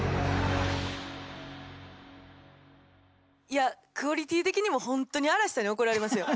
いやクオリティー的にも本当に嵐さんに怒られますよ。